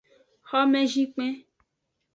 Xomezikpen.